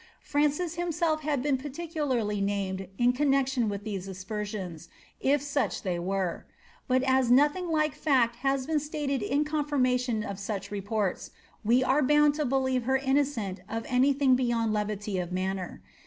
Francis himself has been particularly named in co with these aspersions, if such they were ; but as nothing like been stated in confirmation of such reports, we are bound to bel innocent of any thing beyond levity of manner.